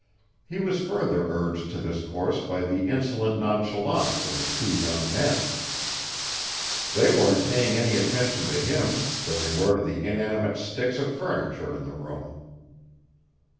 He was further urged to this course by the insolent nonchalance of the two young men. They weren't paying any more attention to him than they were to the inanimate sticks of furniture in the room.